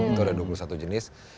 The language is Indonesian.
itu ada dua puluh satu jenis